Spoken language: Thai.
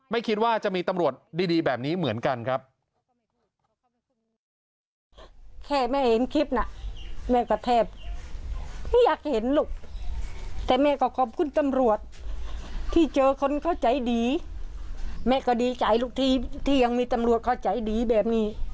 ไม่คิดว่าจะมีตำรวจดีแบบนี้เหมือนกันครับ